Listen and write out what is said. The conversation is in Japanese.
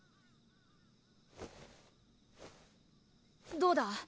どうだ？